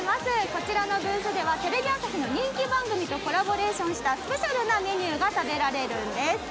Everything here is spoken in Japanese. こちらのブースではテレビ朝日の人気番組とコラボレーションしたスペシャルなメニューが食べられるんです。